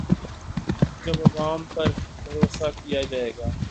جب عوام پر بھروسہ کیا جائے گا۔